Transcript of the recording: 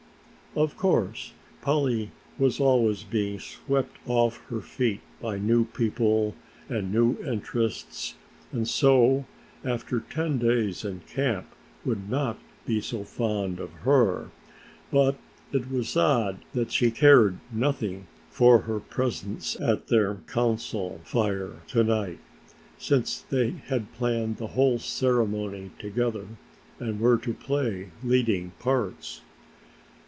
Of course Polly was always being swept off her feet by new people and new interests and so after ten days in camp would not be so fond of her, but it was odd that she cared nothing for her presence at their Council Fire to night, since they had planned the whole ceremony together and were to play leading parts.